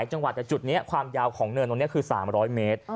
ตรงเนินตรงนี้คือ๓๐๐เมตร